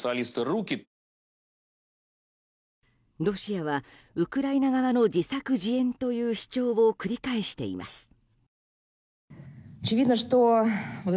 ロシアはウクライナ側の自作自演という主張を繰り返しています。